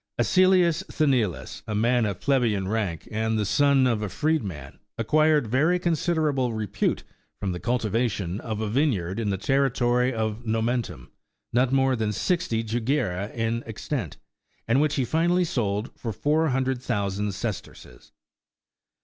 Acilius Sthenelus, a man of plebeian rank, and the. son of a freedman, acquired very considerable repute from the cultivation of a vine yard in the territory of Momentum, not more than sixty jugera in extent, and which he finally sold for four hundred thousand sesterces.